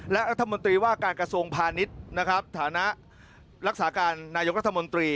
และรัฐมนตรีว่าการกระทรวงพาณิชย์นะครับฐานะรักษาการนายกรัฐมนตรี